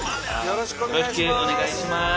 よろしくお願いします